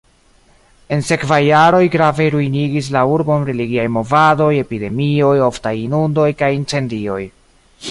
En sekvaj jaroj grave ruinigis la urbon religiaj movadoj, epidemioj, oftaj inundoj kaj incendioj.